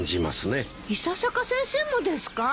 伊佐坂先生もですか？